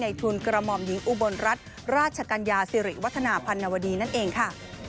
ทุนกระหม่อมหญิงอุบลรัฐราชกัญญาสิริวัฒนาพันนวดีนั่นเองค่ะ